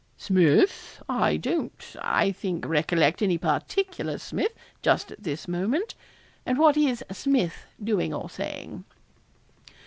'Smith? I don't, I think, recollect any particular Smith, just at this moment. And what is Smith doing or saying?'